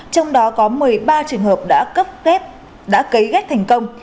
trong đó có một mươi ba trường hợp đã cấp kép đã cấy ghét thành công